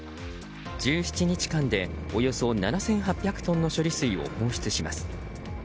１７日間でおよそ７８００トンの処理水を放出します。